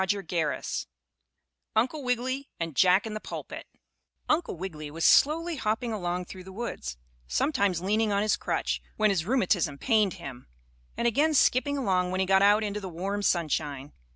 STORY VIII UNCLE WIGGILY AND JACK IN THE PULPIT Uncle Wiggily was slowly hopping along through the woods, sometimes leaning on his crutch, when his rheumatism pained him, and again skipping along when he got out into the warm sunshine.